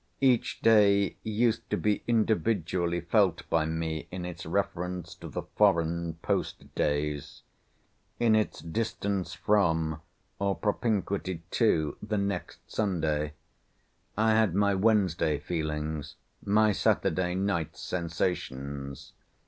Each day used to be individually felt by me in its reference to the foreign post days; in its distance from, or propinquity to, the next Sunday. I had my Wednesday feelings, my Saturday nights' sensations.